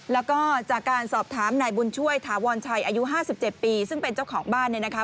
แล้วก็จากการสอบถามนายบุญช่วยถาวรชัยอายุ๕๗ปีซึ่งเป็นเจ้าของบ้านเนี่ยนะคะ